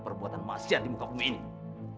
perbuatan masyarakat di muka umum ini